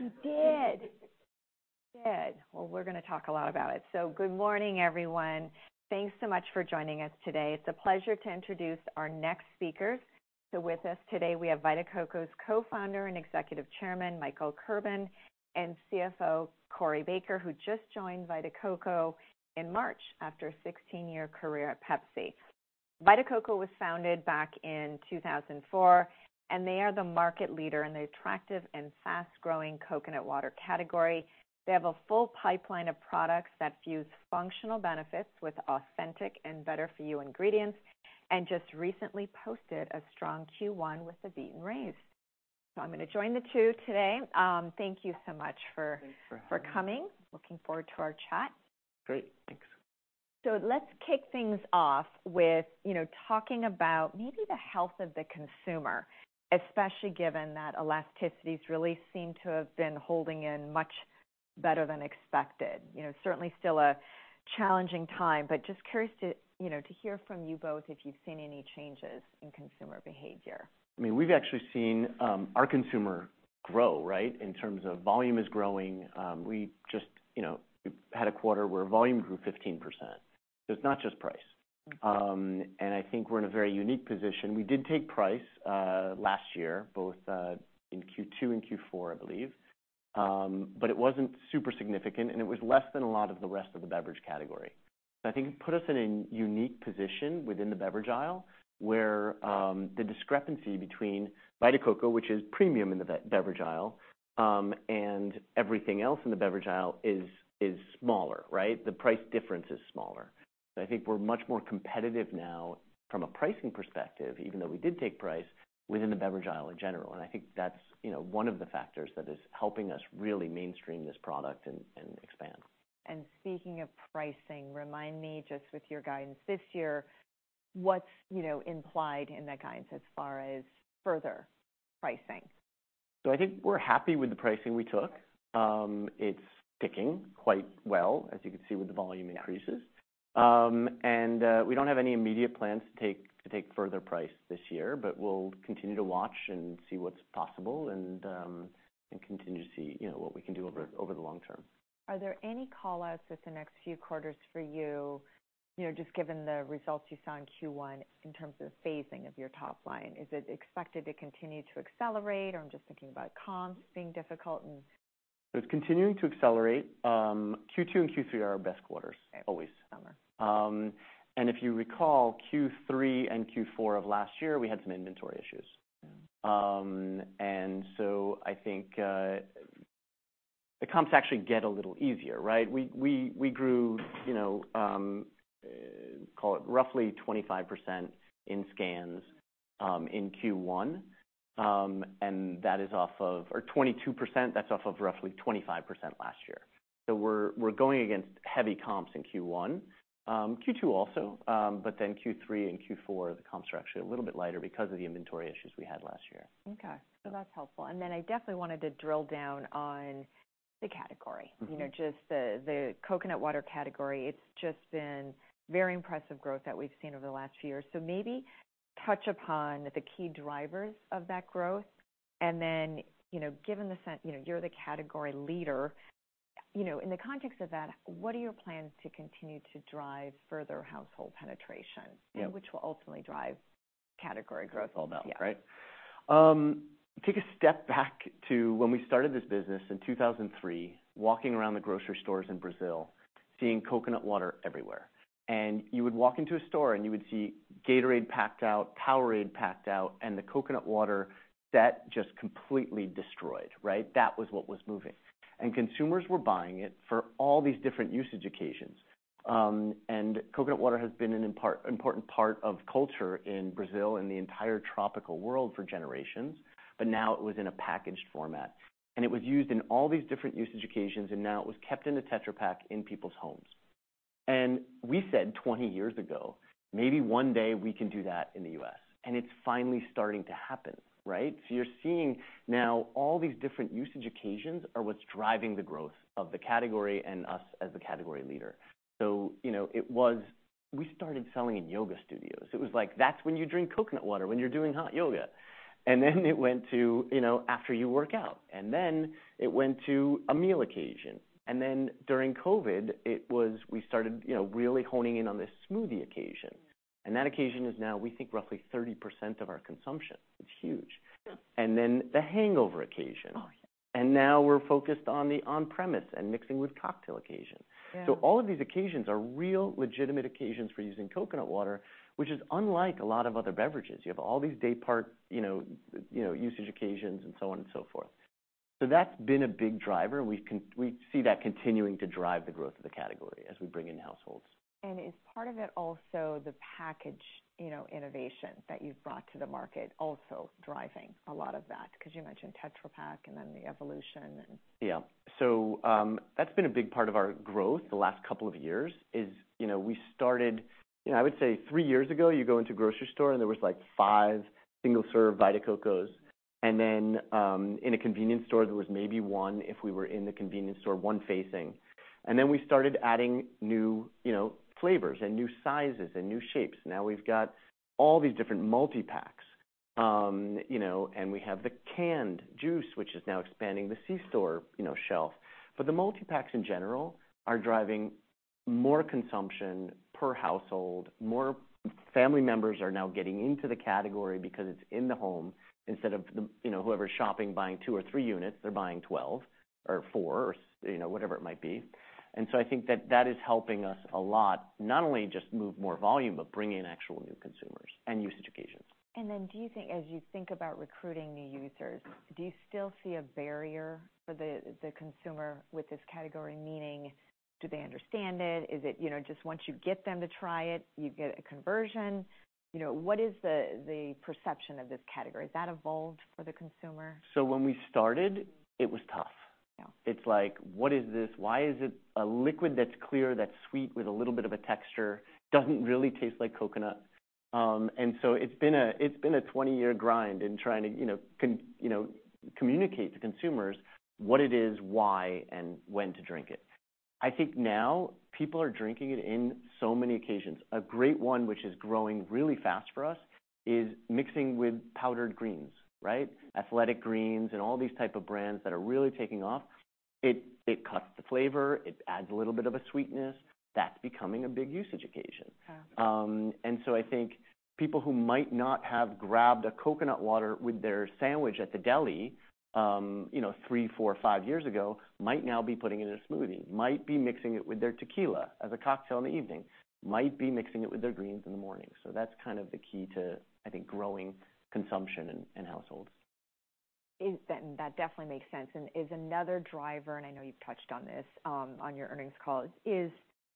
You did. Well, we're gonna talk a lot about it. Good morning, everyone. Thanks so much for joining us today. It's a pleasure to introduce our next speakers. With us today, we have Vita Coco's Co-founder and Executive Chairman, Michael Kirban, and CFO Corey Baker, who just joined Vita Coco in March after a 16-year career at PepsiCo. Vita Coco was founded back in 2004. They are the market leader in the attractive and fast-growing coconut water category. They have a full pipeline of products that fuse functional benefits with authentic and better-for-you ingredients. Just recently posted a strong Q1 with a beaten raise. I'm gonna join the two today. Thank you so much for coming. Looking forward to our chat. Great. Thanks. Let's kick things off with, you know, talking about maybe the health of the consumer, especially given that elasticities really seem to have been holding in much better than expected. You know, certainly still a challenging time, but just curious to, you know, to hear from you both if you've seen any changes in consumer behavior. I mean, we've actually seen our consumer grow, right? In terms of volume is growing. We just, you know, had a quarter where volume grew 15%. It's not just price. I think we're in a very unique position. We did take price last year, both in Q2 and Q4, I believe. But it wasn't super significant, and it was less than a lot of the rest of the beverage category. I think it put us in a unique position within the beverage aisle where the discrepancy between Vita Coco, which is premium in the beverage aisle, and everything else in the beverage aisle is smaller, right? The price difference is smaller. I think we're much more competitive now from a pricing perspective, even though we did take price within the beverage aisle in general. I think that's, you know, one of the factors that is helping us really mainstream this product and expand. speaking of pricing, remind me just with your guidance this year, what's you know, implied in that guidance as far as further pricing? I think we're happy with the pricing we took. It's sticking quite well, as you can see, with the volume increases. We don't have any immediate plans to take further price this year, but we'll continue to watch and see what's possible and continue to see, you know, what we can do over the long term. Are there any call-outs with the next few quarters for you know, just given the results you saw in Q1 in terms of phasing of your top line? Is it expected to continue to accelerate, or I'm just thinking about comps being difficult and...? It's continuing to accelerate. Q2 and Q3 are our best quarters always. Summer. If you recall Q3 and Q4 of last year, we had some inventory issues. I think the comps actually get a little easier, right? We grew, you know, call it roughly 25% in scans in Q1, or 22%, that's off of roughly 25% last year. We're going against heavy comps in Q1. Q2 also, Q3 and Q4, the comps are actually a little bit lighter because of the inventory issues we had last year. Okay. That's helpful. Then I definitely wanted to drill down on the category. Mm-hmm. You know, just the coconut water category. It's just been very impressive growth that we've seen over the last few years. Maybe touch upon the key drivers of that growth. You know, given the sense, you know, you're the category leader, you know, in the context of that, what are your plans to continue to drive further household penetration? Yeah. Which will ultimately drive category growth. That's what it's all about, right? Take a step back to when we started this business in 2003, walking around the grocery stores in Brazil, seeing coconut water everywhere. You would walk into a store, and you would see Gatorade packed out, Powerade packed out, the coconut water, that just completely destroyed, right? That was what was moving. Consumers were buying it for all these different usage occasions. coconut water has been an important part of culture in Brazil and the entire tropical world for generations, but now it was in a packaged format. It was used in all these different usage occasions, now it was kept in a Tetra Pak in people's homes. We said 20 years ago, "Maybe one day we can do that in the U.S." It's finally starting to happen, right? You're seeing now all these different usage occasions are what's driving the growth of the category and us as the category leader. You know, we started selling in yoga studios. It was like, that's when you drink coconut water, when you're doing hot yoga. It went to, you know, after you work out, and then it went to a meal occasion. During COVID, we started, you know, really honing in on this smoothie occasion. Mm. That occasion is now, we think, roughly 30% of our consumption. It's huge. Yeah. The hangover occasion. Oh, yeah. Now we're focused on the on-premise and mixing with cocktail occasion. Yeah. All of these occasions are real legitimate occasions for using coconut water, which is unlike a lot of other beverages. You have all these day part, you know, usage occasions and so on and so forth. That's been a big driver. We see that continuing to drive the growth of the category as we bring in households. Is part of it also the package, you know, innovation that you've brought to the market also driving a lot of that? You mentioned Tetra Pak and then the evolution and... Yeah. That's been a big part of our growth the last couple of years is. You know, we started, you know, I would say three years ago, you go into a grocery store, and there was, like, five single-serve Vita Cocos. Then, in a convenience store, there was maybe one if we were in the convenience store, one facing. Then we started adding new, you know, flavors and new sizes and new shapes. Now we've got all these different multi-packs. You know, and we have the canned juice, which is now expanding the C-store, you know, shelf. For the multipacks, in general, are driving more consumption per household. More family members are now getting into the category because it's in the home instead of the, you know, whoever's shopping buying 2 or 3 units, they're buying 12 or 4 or, you know, whatever it might be. I think that that is helping us a lot, not only just move more volume, but bring in actual new consumers and usage occasions. Do you think, as you think about recruiting new users, do you still see a barrier for the consumer with this category? Meaning, do they understand it? Is it, you know, just once you get them to try it, you get a conversion? You know, what is the perception of this category? Has that evolved for the consumer? When we started, it was tough. Yeah. It's like: What is this? Why is it a liquid that's clear, that's sweet with a little bit of a texture, doesn't really taste like coconut? So it's been a 20-year grind in trying to, you know, communicate to consumers what it is, why, and when to drink it. I think now people are drinking it in so many occasions. A great one, which is growing really fast for us, is mixing with powdered greens, right? Athletic Greens and all these type of brands that are really taking off. It cuts the flavor. It adds a little bit of a sweetness. That's becoming a big usage occasion. Yeah. I think people who might not have grabbed a coconut water with their sandwich at the deli, you know, 3, 4, 5 years ago might now be putting it in a smoothie, might be mixing it with their tequila as a cocktail in the evening, might be mixing it with their greens in the morning. That's kind of the key to, I think, growing consumption in households. Then that definitely makes sense. Is another driver, and I know you've touched on this on your earnings call, is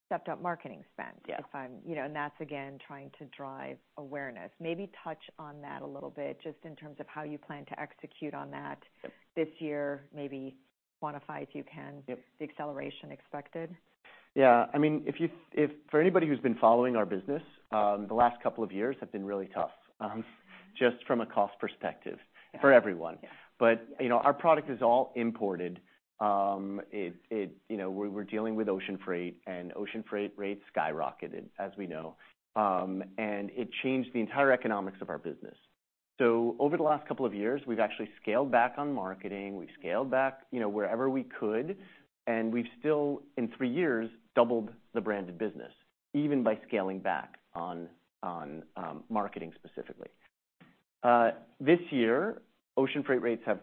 stepped up marketing spend. Yes. You know, that's again trying to drive awareness. Maybe touch on that a little bit just in terms of how you plan to execute on that? Sure this year. Maybe quantify, if you can- Yep the acceleration expected. Yeah. I mean, If for anybody who's been following our business, the last couple of years have been really tough, just from a cost perspective for everyone. Yeah. You know, our product is all imported. You know, we're dealing with ocean freight, and ocean freight rates skyrocketed, as we know. It changed the entire economics of our business. Over the last couple of years, we've actually scaled back on marketing. We've scaled back, you know, wherever we could, and we've still, in three years, doubled the brand of business even by scaling back on marketing specifically. This year, ocean freight rates have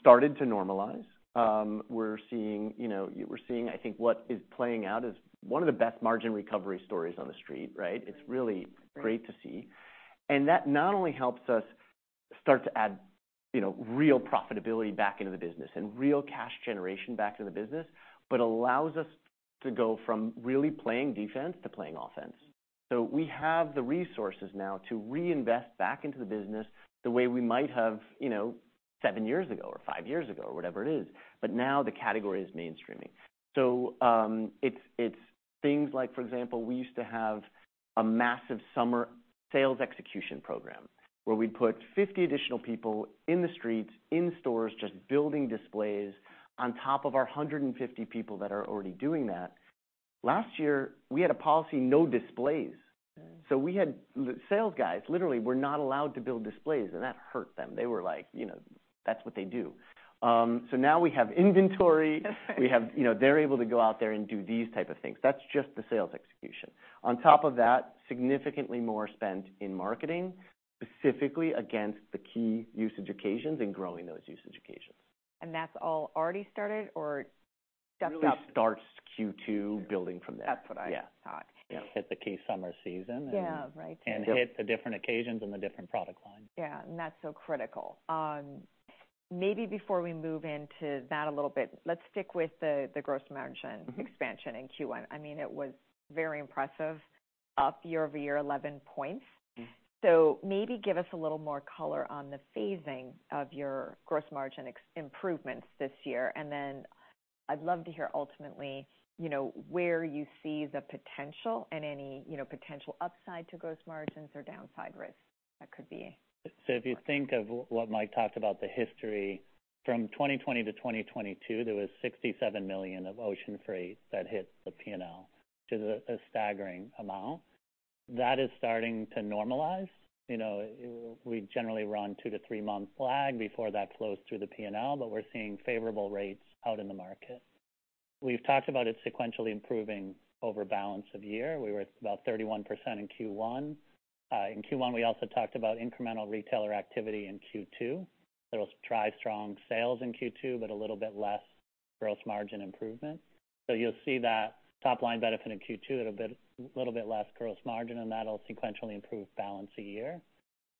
started to normalize. We're seeing, you know, we're seeing, I think, what is playing out as one of the best margin recovery stories on the street, right? Mm-hmm. It's really great to see. That not only helps us start to add, you know, real profitability back into the business and real cash generation back to the business, but allows us to go from really playing defense to playing offense. We have the resources now to reinvest back into the business the way we might have, you know, seven years ago or five years ago or whatever it is. Now the category is mainstreaming. It's things like, for example, we used to have a massive summer sales execution program where we'd put 50 additional people in the streets, in stores just building displays on top of our 150 people that are already doing that. Last year, we had a policy, no displays. Mm. We had sales guys literally were not allowed to build displays, and that hurt them. They were like, you know, that's what they do. Now we have inventory. You know, they're able to go out there and do these type of things. That's just the sales execution. On top of that, significantly more spent in marketing, specifically against the key usage occasions and growing those usage occasions. That's all already started or stepped up? Really starts Q2, building from there. That's what I thought. Yeah. Yeah. Hit the key summer season. Yeah, right. ...and hit the different occasions and the different product lines. That's so critical. Maybe before we move into that a little bit, let's stick with the gross margin expansion in Q1. I mean, it was very impressive, up year-over-year 11 points. Mm. Maybe give us a little more color on the phasing of your gross margin ex- improvements this year. I'd love to hear ultimately, you know, where you see the potential and any, you know, potential upside to gross margins or downside risks that could be. If you think of what Mike talked about, the history from 2020 to 2022, there was $67 million of ocean freight that hit the P&L, which is a staggering amount. That is starting to normalize. You know, we generally run 2-3 month lag before that flows through the P&L, but we're seeing favorable rates out in the market. We've talked about it sequentially improving over balance of the year. We were about 31% in Q1. In Q1, we also talked about incremental retailer activity in Q2. That'll drive strong sales in Q2, but a little bit less gross margin improvement. You'll see that top line benefit in Q2 at a little bit less gross margin, and that'll sequentially improve balance a year.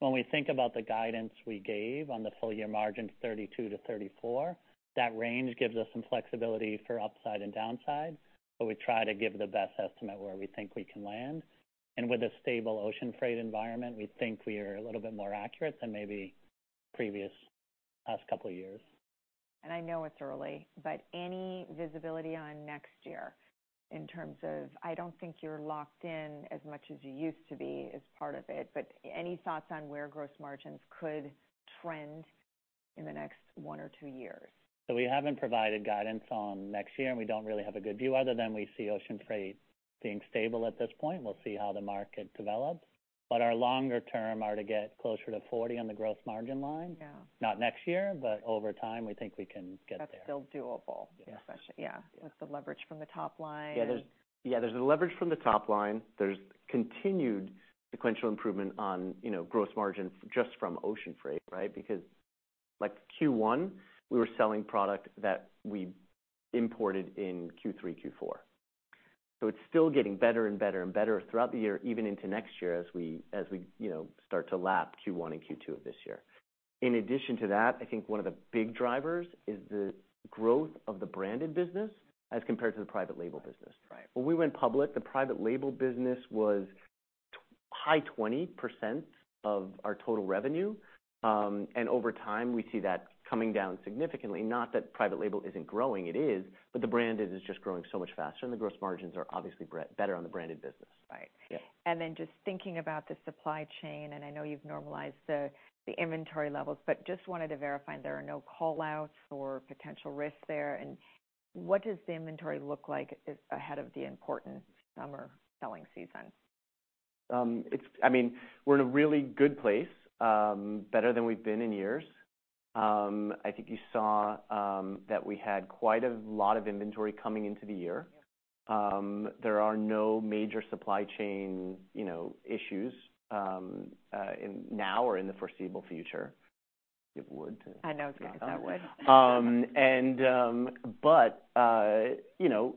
When we think about the guidance we gave on the full-year margin, 32%-34%, that range gives us some flexibility for upside and downside, but we try to give the best estimate where we think we can land. With a stable ocean freight environment, we think we are a little bit more accurate than maybe previous last couple of years. I know it's early, any visibility on next year in terms of, I don't think you're locked in as much as you used to be as part of it, any thoughts on where gross margins could trend in the next one or two years? We haven't provided guidance on next year, and we don't really have a good view other than we see ocean freight being stable at this point. We'll see how the market develops. Our longer term are to get closer to 40% on the gross margin line. Yeah. Not next year, but over time, we think we can get there. That's still doable. Yeah. Especially, yeah. With the leverage from the top line. There's a leverage from the top line. There's continued sequential improvement on, you know, gross margin just from ocean freight, right? Because like Q1, we were selling product that we imported in Q3, Q4. It's still getting better throughout the year, even into next year as we, you know, start to lap Q1 and Q2 of this year. In addition to that, I think one of the big drivers is the growth of the branded business as compared to the private label business. Right. When we went public, the private label business was high 20% of our total revenue. Over time, we see that coming down significantly. Not that private label isn't growing, it is, but the branded is just growing so much faster, and the gross margins are obviously better on the branded business. Right. Yeah. Just thinking about the supply chain, I know you've normalized the inventory levels, just wanted to verify there are no call-outs or potential risks there. What does the inventory look like ahead of the important summer selling season? I mean, we're in a really good place, better than we've been in years. I think you saw that we had quite a lot of inventory coming into the year. There are no major supply chain, you know, issues now or in the foreseeable future. I know it's gonna get that Wood. You know,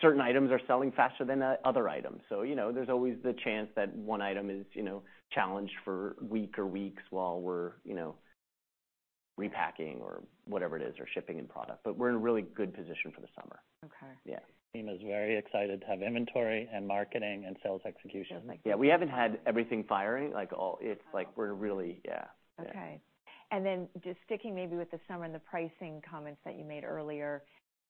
certain items are selling faster than other items. You know, there's always the chance that one item is, you know, challenged for week or weeks while we're, you know, repacking or whatever it is, or shipping in product. We're in a really good position for the summer. Okay. Yeah. Team is very excited to have inventory and marketing and sales execution. Doesn't make sense. Yeah, we haven't had everything firing. Like all, it's like we're really... Yeah. Okay. Just sticking maybe with the summer and the pricing comments that you made earlier,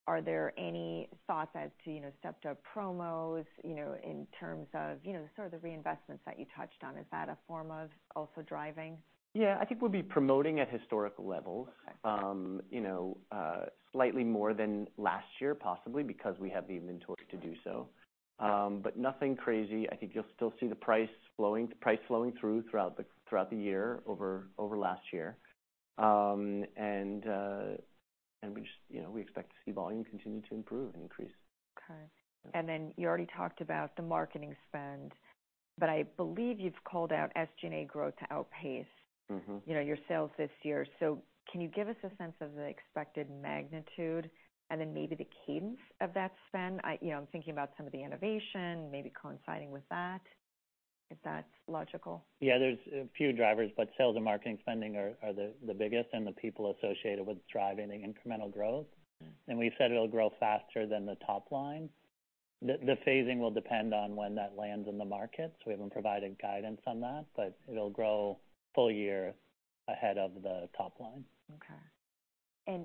are there any thoughts as to, you know, stepped up promos, you know, in terms of, you know, sort of the reinvestments that you touched on? Is that a form of also driving? Yeah. I think we'll be promoting at historic levels. Okay. You know, slightly more than last year, possibly, because we have the inventory to do so. Nothing crazy. I think you'll still see the price flowing through throughout the year over last year. We just, you know, we expect to see volume continue to improve and increase. Okay. You already talked about the marketing spend, but I believe you've called out SG&A growth to outpace... Mm-hmm... you know, your sales this year. Can you give us a sense of the expected magnitude and then maybe the cadence of that spend? I, you know, I'm thinking about some of the innovation maybe coinciding with that, if that's logical. Yeah, there's a few drivers, but sales and marketing spending are the biggest and the people associated with driving incremental growth. We said it'll grow faster than the top line. The phasing will depend on when that lands in the markets. We haven't provided guidance on that, but it'll grow full year ahead of the top line. Okay.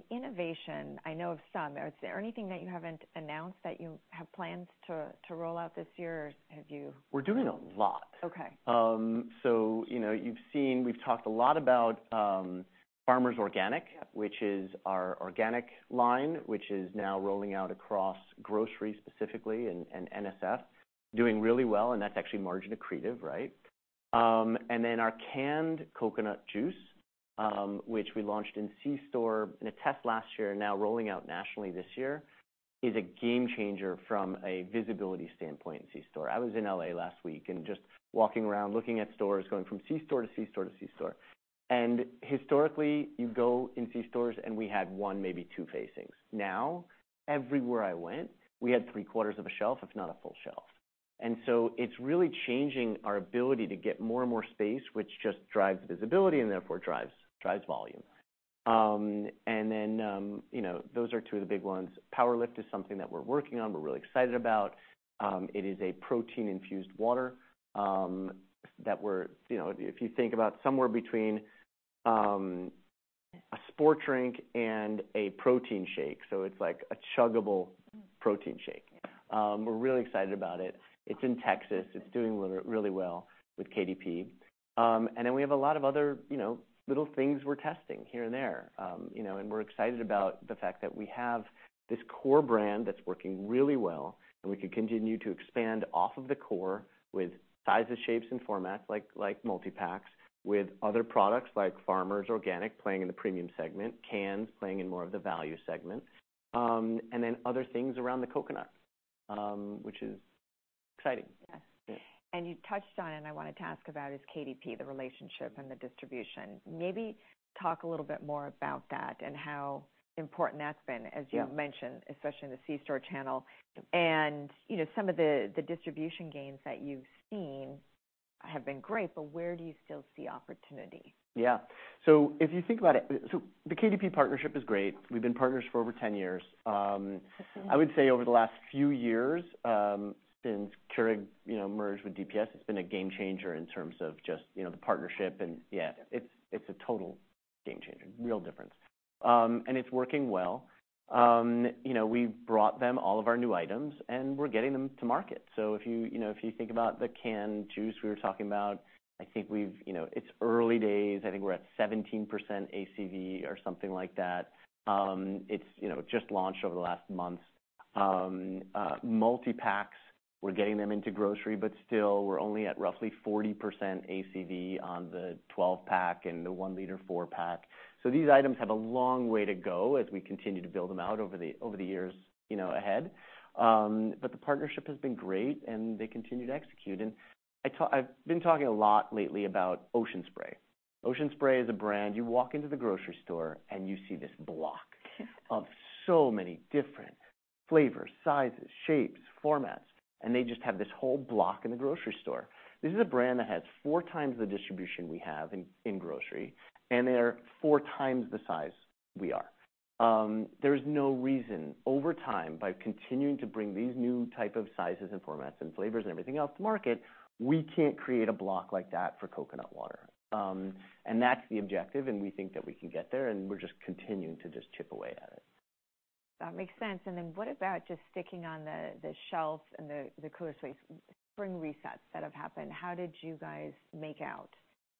Innovation, I know of some. Is there anything that you haven't announced that you have plans to roll out this year? We're doing a lot. Okay. You know, you've seen, we've talked a lot about Farmers Organic. Yeah... which is our organic line, which is now rolling out across grocery specifically in NSF. Doing really well, and that's actually margin accretive, right? Our canned coconut juice, which we launched in C-store in a test last year, now rolling out nationally this year, is a game changer from a visibility standpoint in C-store. I was in L.A. last week and just walking around looking at stores, going from C-store to C-store to C-store. Historically, you go in C-stores, and we had one, maybe two facings. Now, everywhere I went, we had 3/4 of a shelf, if not a full shelf. It's really changing our ability to get more and more space, which just drives visibility and therefore drives volume. You know, those are two of the big ones. PWR LIFT is something that we're working on, we're really excited about. It is a protein-infused water that we're, you know, if you think about somewhere between a sport drink and a protein shake, so it's like a chuggable protein shake. We're really excited about it. It's in Texas. It's doing really well with KDP. We have a lot of other, you know, little things we're testing here and there. You know, we're excited about the fact that we have this core brand that's working really well and we can continue to expand off of the core with sizes, shapes, and formats like multi-packs, with other products like Farmers Organic playing in the premium segment, cans playing in more of the value segment. Other things around the coconut, which is exciting. Yes. Yeah. You touched on it, and I wanted to ask about is KDP, the relationship and the distribution. Talk a little bit more about that and how important that's been. Yeah... as you mentioned, especially in the C-store channel. You know, some of the distribution gains that you've seen have been great, but where do you still see opportunity? Yeah. If you think about it, so the KDP partnership is great. We've been partners for over 10 years. I would say over the last few years, since Keurig, you know, merged with DPS, it's been a game changer in terms of just, you know, the partnership. Yeah, it's a total game changer. Real difference. It's working well. You know, we've brought them all of our new items, and we're getting them to market. If you know, if you think about the canned juice we were talking about, You know, it's early days. I think we're at 17% ACV or something like that. It's, you know, just launched over the last month. Multi-packs, we're getting them into grocery, but still we're only at roughly 40% ACV on the 12-pack and the 1-liter 4-pack. These items have a long way to go as we continue to build them out over the, over the years, you know, ahead. The partnership has been great and they continue to execute. I've been talking a lot lately about Ocean Spray. Ocean Spray is a brand. You walk into the grocery store, and you see this block of so many different flavors, sizes, shapes, formats, and they just have this whole block in the grocery store. This is a brand that has four times the distribution we have in grocery, and they are four times the size we are. There's no reason, over time, by continuing to bring these new type of sizes and formats and flavors and everything else to market, we can't create a block like that for coconut water. That's the objective, and we think that we can get there, and we're just continuing to just chip away at it. That makes sense. What about just sticking on the shelf and the cooler space? Spring resets that have happened, how did you guys make out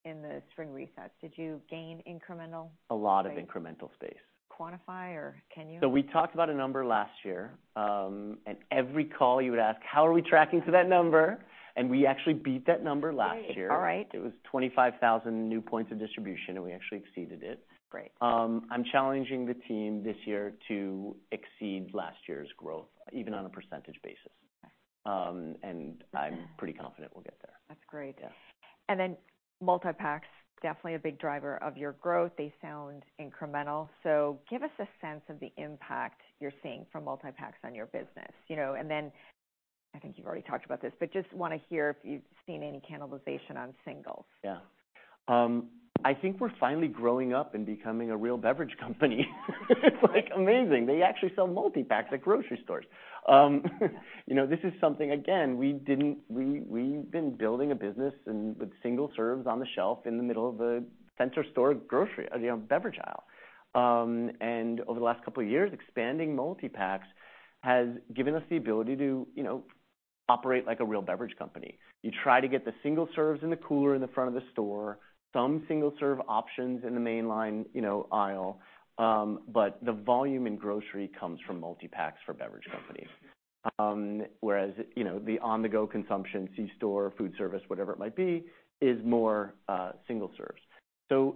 in the spring resets? Did you gain incremental space? A lot of incremental space. Quantify or can you? We talked about a number last year, and every call you would ask, "How are we tracking to that number?" We actually beat that number last year. Great. All right. It was 25,000 new points of distribution, and we actually exceeded it. Great. I'm challenging the team this year to exceed last year's growth, even on a percentage basis. I'm pretty confident we'll get there. That's great. Yeah. Multi-packs, definitely a big driver of your growth. They sound incremental. Give us a sense of the impact you're seeing from multi-packs on your business. You know, I think you've already talked about this, but just wanna hear if you've seen any cannibalization on singles. I think we're finally growing up and becoming a real beverage company. It's, like, amazing. They actually sell multi-packs at grocery stores. You know, this is something, again, we've been building a business and with single serves on the shelf in the middle of a center store grocery, you know, beverage aisle. Over the last two years, expanding multi-packs has given us the ability to, you know, operate like a real beverage company. You try to get the single serves in the cooler in the front of the store, some single serve options in the main line, you know, aisle, but the volume in grocery comes from multi-packs for beverage companies. Whereas, you know, the on-the-go consumption, C-store, food service, whatever it might be, is more single serves.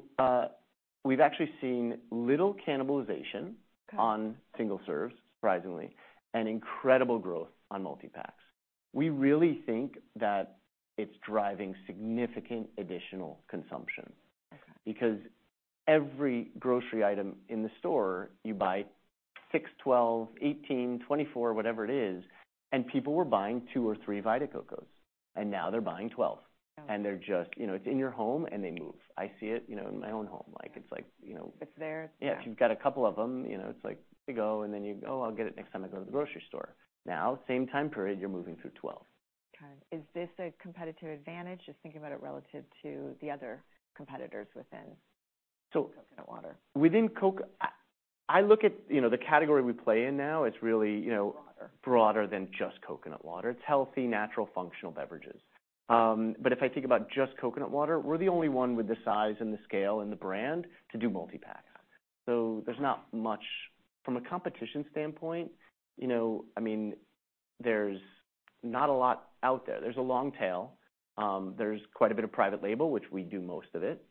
We've actually seen little cannibalization- Okay... on single serves, surprisingly, and incredible growth on multi-packs. We really think that it's driving significant additional consumption. Okay. Every grocery item in the store, you buy 6, 12, 18, 24, whatever it is, and people were buying 2 or 3 Vita Cocos, and now they're buying 12. Oh. They're just, you know, it's in your home and they move. I see it, you know, in my own home. Like, it's like, you know. It's there, yeah. Yeah. If you've got a couple of them, you know, it's like, here you go, and then you go, "I'll get it next time I go to the grocery store." Same time period, you're moving through 12. Okay. Is this a competitive advantage? Just thinking about it relative to the other competitors within coconut water. I look at, you know, the category we play in now, it's really, you know. Broader broader than just coconut water. It's healthy, natural, functional beverages. If I think about just coconut water, we're the only one with the size and the scale and the brand to do multi-packs. Okay. There's not much. From a competition standpoint, you know, I mean, there's not a lot out there. There's a long tail. There's quite a bit of private label, which we do most of it.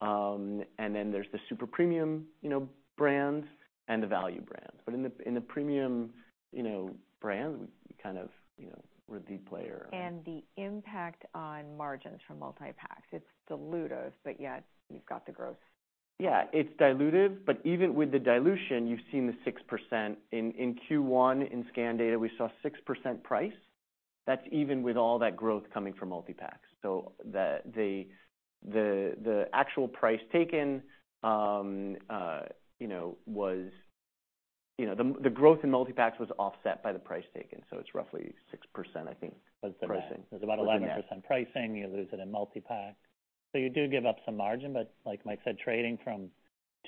There's the super premium, you know, brands and the value brands. In the, in the premium, you know, brands, we kind of, you know, we're the player. The impact on margins from multi-packs, it's dilutive, but yet you've got the growth. Yeah. It's dilutive, but even with the dilution, you've seen the 6%. In Q1, in scan data, we saw 6% price. That's even with all that growth coming from multi-packs. The actual price taken, you know, the growth in multi-packs was offset by the price taken, so it's roughly 6%, I think, price increase. There's about 11% pricing, you lose it in multi-pack. You do give up some margin, but like Mike said, trading from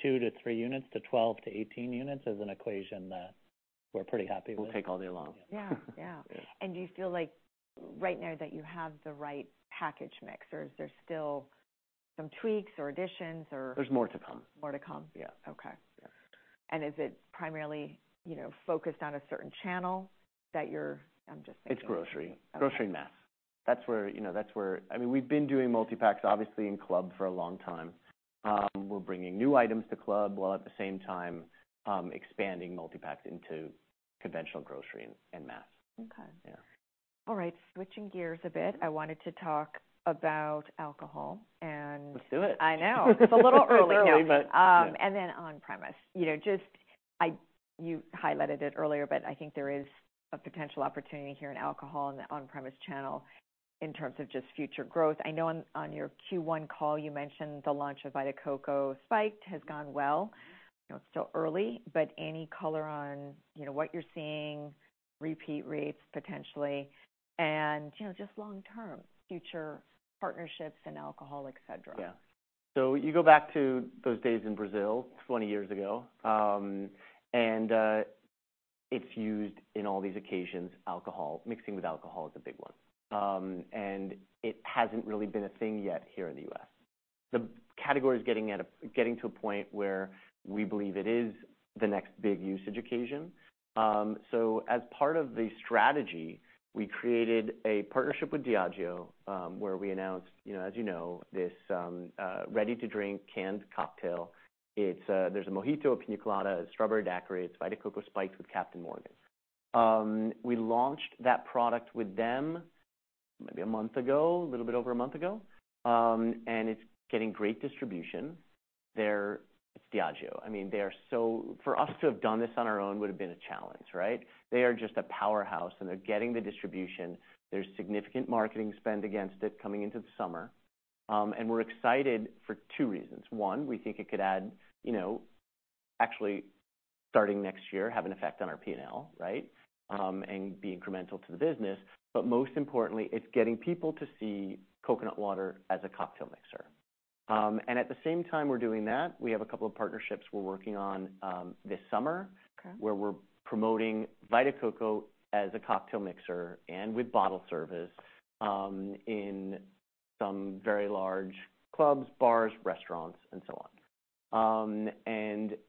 2-3 units to 12-18 units is an equation that we're pretty happy with. We'll take all day long. Yeah. Yeah. Yeah. Do you feel like right now that you have the right package mix, or is there still some tweaks or additions or? There's more to come. More to come? Yeah. Okay. Yeah. Is it primarily, you know, focused on a certain channel that I'm just thinking? It's grocery. Okay. Grocery mass. That's where, you know, I mean, we've been doing multi-packs obviously in club for a long time. We're bringing new items to club, while at the same time, expanding multi-packs into conventional grocery and mass. Okay. Yeah. All right. Switching gears a bit. I wanted to talk about alcohol. Let's do it. I know. It's a little early now. It's early, but yeah. On-premise. You know, you highlighted it earlier, but I think there is a potential opportunity here in alcohol in the on-premise channel in terms of future growth. I know on your Q1 call, you mentioned the launch of Vita Coco Spiked has gone well. You know, it's still early, but any color on, you know, what you're seeing, repeat rates potentially, and, you know, long-term future partnerships in alcohol, et cetera. Yeah. You go back to those days in Brazil 20 years ago. It's used in all these occasions. Mixing with alcohol is a big one. It hasn't really been a thing yet here in the U.S. The category is getting to a point where we believe it is the next big usage occasion. As part of the strategy, we created a partnership with Diageo, where we announced, you know, as you know, this ready-to-drink canned cocktail. It's, there's a Mojito, a Piña Colada, a Strawberry Daiquiri, it's Vita Coco Spiked with Captain Morgan. We launched that product with them maybe one month ago, a little bit over one month ago, and it's getting great distribution. It's Diageo. I mean, for us to have done this on our own would have been a challenge, right? They are just a powerhouse, and they're getting the distribution. There's significant marketing spend against it coming into the summer. We're excited for two reasons. One, we think it could add, you know, actually starting next year, have an effect on our P&L, right? Be incremental to the business. Most importantly, it's getting people to see coconut water as a cocktail mixer. At the same time we're doing that, we have a couple of partnerships we're working on this summer. Okay.... where we're promoting Vita Coco as a cocktail mixer and with bottle service, in some very large clubs, bars, restaurants, and so on.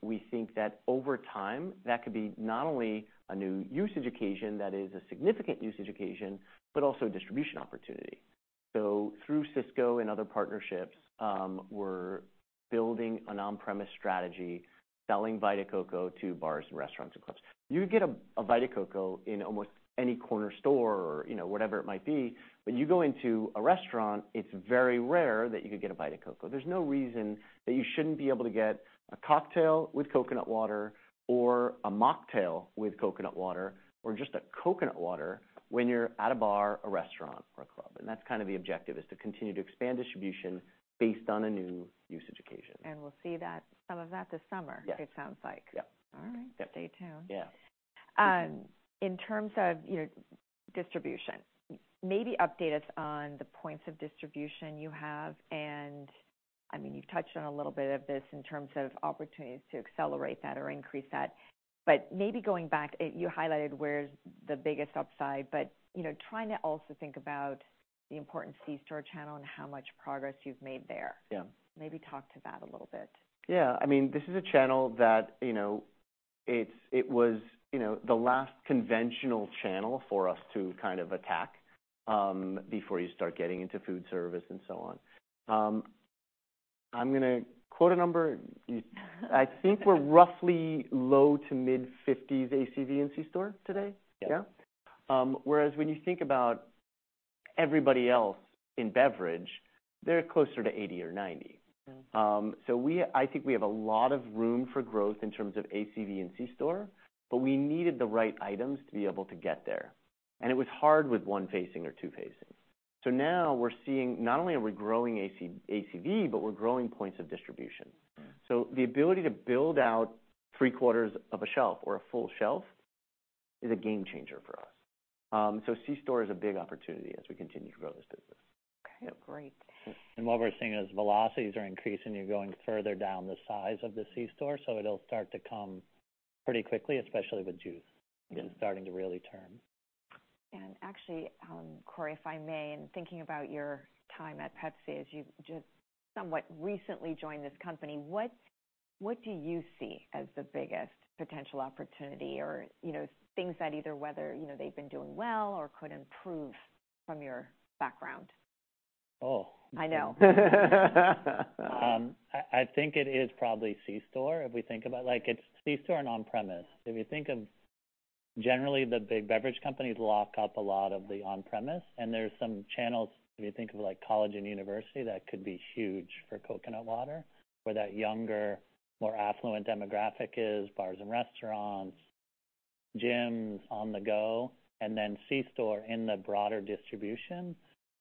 We think that over time, that could be not only a new usage occasion that is a significant usage occasion, but also a distribution opportunity. Through Sysco and other partnerships, we're building an on-premise strategy, selling Vita Coco to bars and restaurants and clubs. You get a Vita Coco in almost any corner store or, you know, whatever it might be, but you go into a restaurant, it's very rare that you could get a Vita Coco. There's no reason that you shouldn't be able to get a cocktail with coconut water or a mocktail with coconut water or just a coconut water when you're at a bar, a restaurant, or a club. That's kind of the objective, is to continue to expand distribution based on a new usage occasion. We'll see some of that this summer. Yes.... it sounds like. Yep. All right. Yep. Stay tuned. Yeah. In terms of your distribution, maybe update us on the points of distribution you have. I mean, you've touched on a little bit of this in terms of opportunities to accelerate that or increase that. Maybe going back, you highlighted where's the biggest upside, but, you know, trying to also think about the important C-store channel and how much progress you've made there. Yeah. Maybe talk to that a little bit. Yeah. I mean, this is a channel that, you know, it was, you know, the last conventional channel for us to kind of attack, before you start getting into food service and so on. I'm gonna quote a number. I think we're roughly low to mid 50s ACV in C-store today. Yeah. Yeah. whereas when you think about everybody else in beverage, they're closer to 80 or 90. Yeah. I think we have a lot of room for growth in terms of ACV in C-store, but we needed the right items to be able to get there. It was hard with one facing or two facings. Now we're seeing not only are we growing ACV, but we're growing points of distribution. Mm. The ability to build out three-quarters of a shelf or a full shelf is a game changer for us. C-store is a big opportunity as we continue to grow this business. Okay, great. Yeah. What we're seeing is velocities are increasing. You're going further down the size of the C-store, so it'll start to come pretty quickly, especially with juice. Yeah. It's starting to really turn. Actually, Corey, if I may, in thinking about your time at PepsiCo, as you've just somewhat recently joined this company, what do you see as the biggest potential opportunity or, you know, things that either whether, you know, they've been doing well or could improve from your background? Oh. I know. I think it is probably C-store. If we think about, it's C-store and on-premise. If you think of generally the big beverage companies lock up a lot of the on-premise, and there's some channels, if you think of college and university, that could be huge for coconut water, where that younger, more affluent demographic is, bars and restaurants, gyms, on the go, and then C-store in the broader distribution,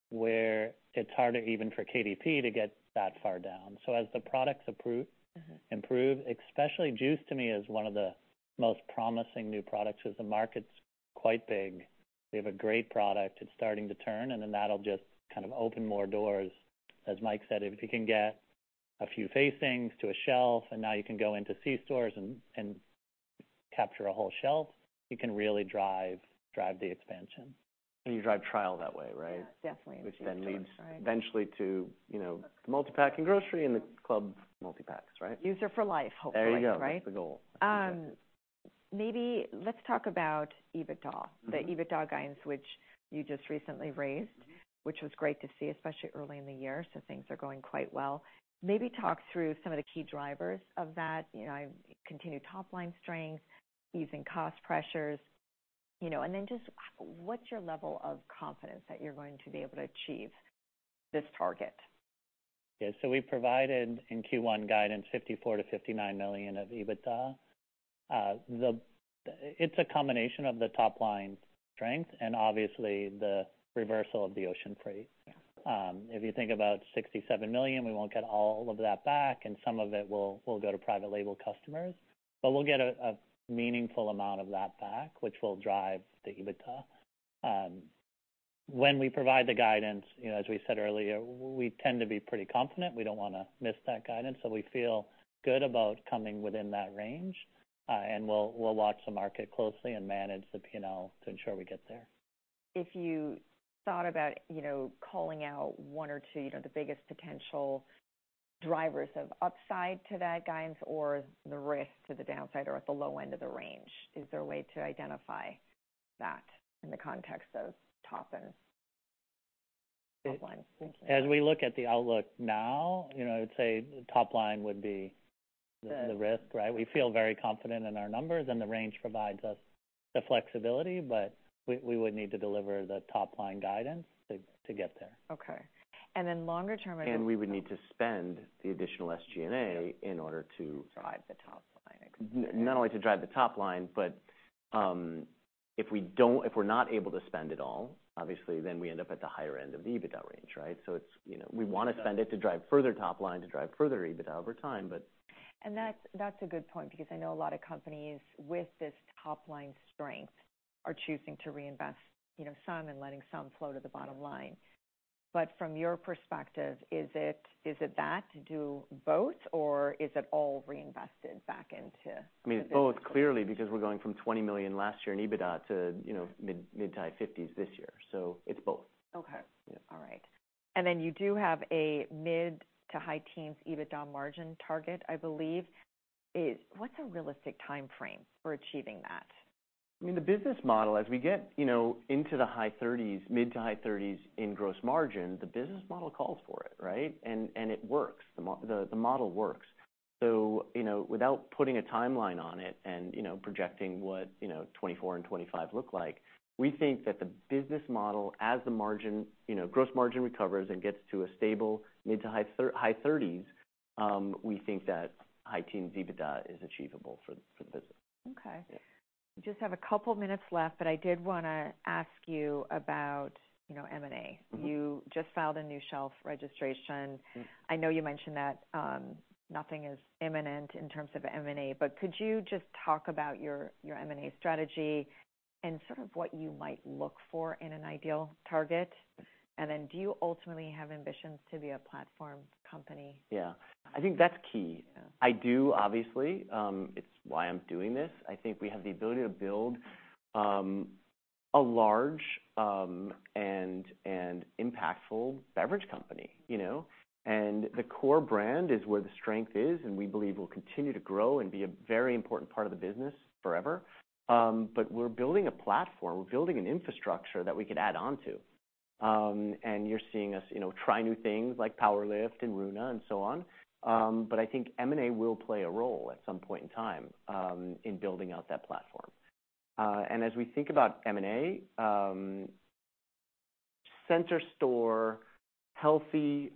where it's harder even for KDP to get that far down. As the products approve. Mm-hmm... improve, especially juice to me is one of the most promising new products because the market's quite big. We have a great product. It's starting to turn, and then that'll just kind of open more doors. As Mike said, if you can get a few facings to a shelf, and now you can go into C-stores and capture a whole shelf, you can really drive the expansion. You drive trial that way, right? Yeah, definitely. Which then leads eventually to, you know, multi-pack and grocery and the club multi-packs, right? User for life, hopefully. There you go. Right? That's the goal. maybe let's talk about EBITDA. Mm-hmm. The EBITDA guidance, which you just recently raised... Mm-hmm... which was great to see, especially early in the year. Things are going quite well. Maybe talk through some of the key drivers of that. You know, continued top line strength, easing cost pressures, you know, just what's your level of confidence that you're going to be able to achieve this target? Yeah. We provided in Q1 guidance $54 million-$59 million of EBITDA. It's a combination of the top line strength and obviously the reversal of the Ocean Spray. Yeah. If you think about $67 million, we won't get all of that back, and some of it will go to private label customers. We'll get a meaningful amount of that back, which will drive the EBITDA. When we provide the guidance, you know, as we said earlier, we tend to be pretty confident. We don't wanna miss that guidance, so we feel good about coming within that range. We'll watch the market closely and manage the P&L to ensure we get there. If you thought about, you know, calling out one or two, you know, the biggest potential drivers of upside to that guidance or the risk to the downside or at the low end of the range, is there a way to identify that in the context of top and bottom line? Thank you. As we look at the outlook now, you know, I would say top line would be the risk, right? We feel very confident in our numbers, and the range provides us the flexibility, but we would need to deliver the top line guidance to get there. Okay. Then longer term. We would need to spend the additional SG&A in order to- Drive the top line. Not only to drive the top line, but, if we're not able to spend it all, obviously then we end up at the higher end of the EBITDA range, right? It's, you know, we wanna spend it to drive further top line, to drive further EBITDA over time. That's a good point because I know a lot of companies with this top line strength are choosing to reinvest, you know, some and letting some flow to the bottom line. From your perspective, is it that to do both or is it all reinvested back into- I mean, both clearly, because we're going from $20 million last year in EBITDA to, you know, mid-high $50s million this year. It's both. Okay. Yeah. All right. Then you do have a mid to high teens EBITDA margin target, I believe. What's a realistic timeframe for achieving that? I mean, the business model, as we get, you know, into the high 30s%, mid-to high 30s% in gross margin, the business model calls for it, right? It works. The model works. You know, without putting a timeline on it and, you know, projecting what, you know, 2024 and 2025 look like, we think that the business model as the margin, you know, gross margin recovers and gets to a stable mid to high 30s%, we think that high teens% EBITDA is achievable for the business. Okay. Yeah. We just have a couple minutes left, but I did wanna ask you about, you know, M&A. Mm-hmm. You just filed a new shelf registration. Mm. I know you mentioned that, nothing is imminent in terms of M&A, could you just talk about your M&A strategy and sort of what you might look for in an ideal target? Do you ultimately have ambitions to be a platform company? Yeah. I think that's key. Yeah. I do, obviously. It's why I'm doing this. I think we have the ability to build a large and impactful beverage company, you know. The core brand is where the strength is, and we believe will continue to grow and be a very important part of the business forever. We're building a platform. We're building an infrastructure that we could add onto. You're seeing us, you know, try new things like PWR LIFT and Runa and so on. I think M&A will play a role at some point in time in building out that platform. As we think about M&A, center store healthy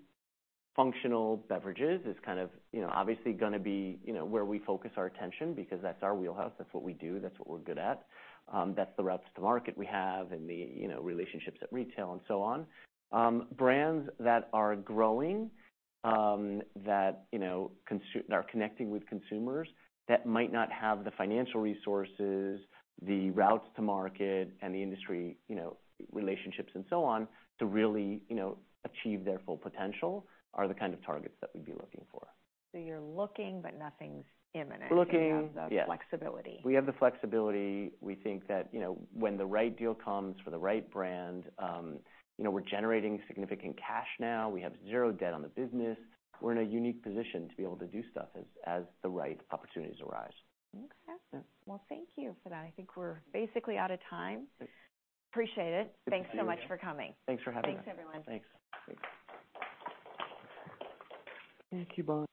functional beverages is kind of, you know, obviously gonna be, you know, where we focus our attention because that's our wheelhouse, that's what we do, that's what we're good at. That's the routes to market we have and the, you know, relationships at retail and so on. Brands that are growing, that, you know, are connecting with consumers that might not have the financial resources, the routes to market and the industry, you know, relationships and so on to really, you know, achieve their full potential, are the kind of targets that we'd be looking for. You're looking, but nothing's imminent. We're looking, yeah. You have the flexibility. We have the flexibility. We think that, you know, when the right deal comes for the right brand, you know, we're generating significant cash now. We have zero debt on the business. We're in a unique position to be able to do stuff as the right opportunities arise. Okay. Yeah. Well, thank you for that. I think we're basically out of time. Thanks. Appreciate it. Good to see you again. Thanks so much for coming. Thanks for having us. Thanks, everyone. Thanks. Thanks. Thank you both.